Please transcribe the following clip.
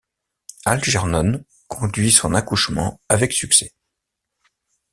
Algernon conduit son accouchement avec succès.